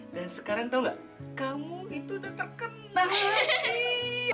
dan sekarang tahu nggak kamu itu udah terkenal